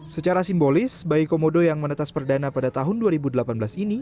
secara simbolis bayi komodo yang menetas perdana pada tahun dua ribu delapan belas ini